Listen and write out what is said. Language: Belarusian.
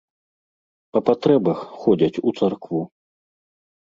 Па патрэбах ходзяць у царкву.